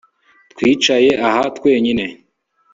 twicaye aha twenyine